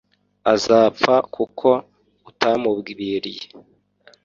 azapfa kuko utamuburiye